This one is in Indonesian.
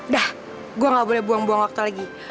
dah gue gak boleh buang buang waktu lagi